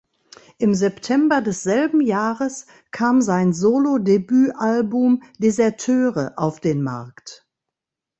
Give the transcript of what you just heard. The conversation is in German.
Im September desselben Jahres kam sein Solo-Debütalbum "Deserteure" auf den Markt.